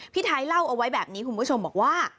พี่ไทยเล่าเอาไว้แบบนี้คุณผู้ชมบอกว่า